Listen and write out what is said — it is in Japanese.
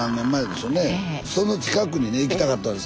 その近くにね行きたかったんです。